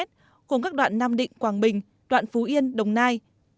gồm các đoạn nam định quảng bình đoạn phú yên đồng nai